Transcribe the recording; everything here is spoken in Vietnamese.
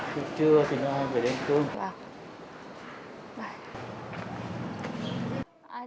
trước trưa thì nó về đêm cương